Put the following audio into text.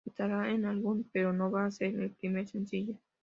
Estará en el álbum, pero no va a ser el primer sencillo.